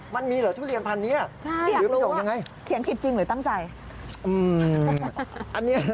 มันมีเหรอทุเรียนพันนี้อ่ะหรือพี่โด่งยังไงเขียนผิดจริงหรือตั้งใจคุณบ๊ายชันอยากรู้ว่า